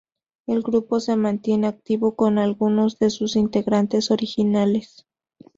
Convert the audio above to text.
El grupo se mantiene activo, con algunos de sus integrantes originales